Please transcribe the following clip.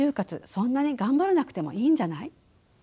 そんなに頑張らなくてもいいんじゃない？」。